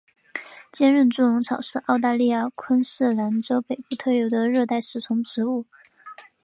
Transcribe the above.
坚韧猪笼草是澳大利亚昆士兰州北部特有的热带食虫植物。